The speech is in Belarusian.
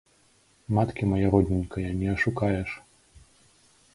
Маткі, мая родненькая, не ашукаеш.